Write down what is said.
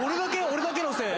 俺だけのせい？